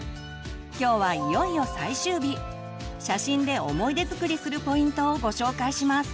今日はいよいよ最終日写真で思い出づくりするポイントをご紹介します！